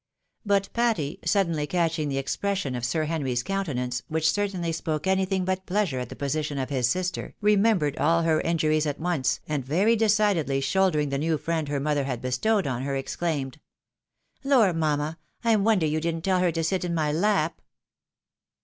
But Patty, suddenly catching the expression of Sir Henry's countenance, which ceri tainly spoke anything but pleasure at the position of his sister, remembered all her injuries at once, and very decidedly shoulder ing the new friend her mother had bestowed on her, exclaimed, " Lor ! mamma ! I wonder you didn't tell her to sit in my lap."